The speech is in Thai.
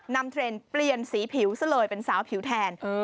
เทรนด์เปลี่ยนสีผิวซะเลยเป็นสาวผิวแทน